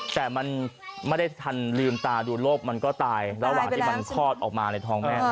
แต่มันไม่ได้ทันลืมตาดูโรคมันก็ตายระหว่างที่มันคลอดออกมาในท้องแม่